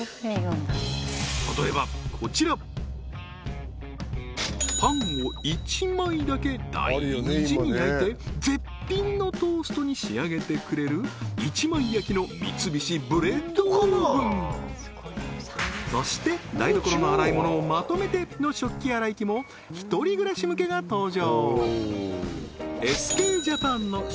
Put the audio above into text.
例えばこちらパンを１枚だけ大事に焼いて絶品のトーストに仕上げてくれる１枚焼きの三菱ブレッドオーブンそして台所の洗い物をまとめての食器洗い機も一人暮らし向けが登場